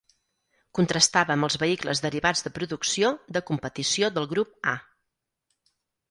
Contrastava amb els vehicles derivats de producció de competició del grup A.